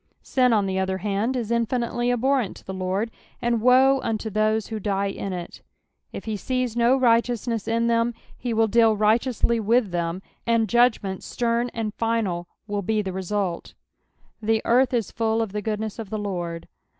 Sin, on the other hand, is iuBnitely abhorrent to tho Lord, and woe unto those who die ia it; if he sees no Tighteousness in them, lie will deal righteously with them, and judgment stern and final will be the result. " The earth is fuU of the goodness of the Lard."